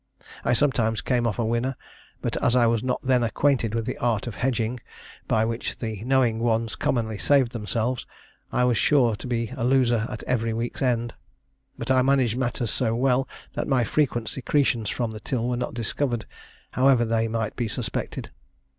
I sometimes came off a winner; but, as I was not then acquainted with the art of hedging, by which the knowing ones commonly saved themselves, I was sure to be a loser at every week's end. But I managed matters so well, that my frequent secretions from the till were not discovered, however they might be suspected.